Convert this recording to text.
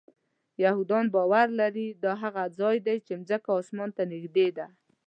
یهودان باور لري دا هغه ځای دی چې ځمکه آسمان ته نږدې ده.